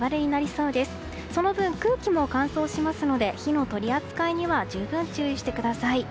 その分、空気も乾燥しますので火の取り扱いには十分、注意してください。